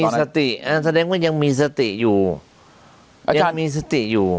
แสดงว่ายังมีสติอยู่